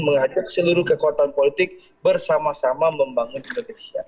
mengajak seluruh kekuatan politik bersama sama membangun indonesia